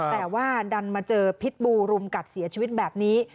แต่ว่าดันมาเจอพิษบูรุมกัดเสียชีวิตแบบนี้